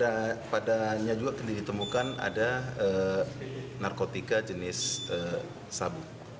ya padanya juga ditemukan ada narkotika jenis sabu